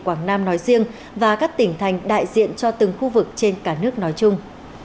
quảng nam nói riêng và các tỉnh thành đại diện cho từng khu vực trên cả nước nói chung